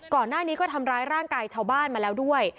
ก่อนหน้านี้ก็ทำร้ายร่างกายชาวบ้านมาแล้วด้วย